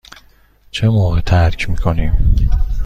چه موقع ترک می کنیم؟